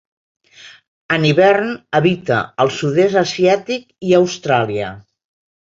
En hivern habita al Sud-est asiàtic i Austràlia.